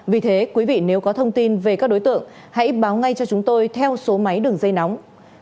vì thế quý vị nếu có thông tin về các đối tượng hãy báo ngay cho chúng tôi theo số máy đường dây nóng